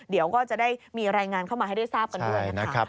เดี๋ยวก็จะได้มีรายงานเข้ามาให้ได้ทราบกันด้วยนะคะ